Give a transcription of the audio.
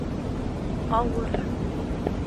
Ауыр